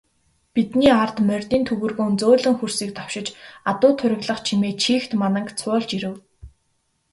Бидний ард морьдын төвөргөөн зөөлөн хөрсийг товшиж, адуу тургилах чимээ чийгт мананг цуулж ирэв.